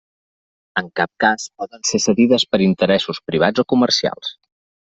En cap cas poden ser cedides per interessos privats o comercials.